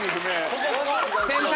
ここ！